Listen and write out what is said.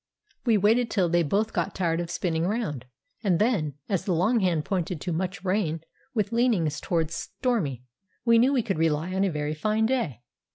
We waited till they both got tired of spinning round, and then, as the long hand pointed to "Much Rain," with leanings towards "Stormy," we knew we could rely on a very fine day.